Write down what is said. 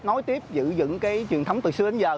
nói tiếp giữ dựng cái truyền thống từ xưa đến giờ